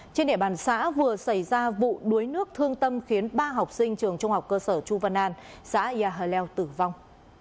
trên địa bàn xã vừa xảy ra vụ đuối nước thương tâm khiến ba học sinh trường trung học cơ sở chu văn an xã yà leo tử vong